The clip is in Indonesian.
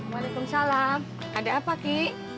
waalaikumsalam ada apa ki